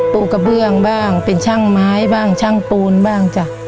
ลูกกระเบื้องบ้างเป็นช่างไม้บ้างช่างปูนบ้างจ้ะ